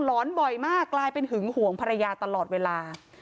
อนบ่อยมากกลายเป็นหึงห่วงภรรยาตลอดเวลา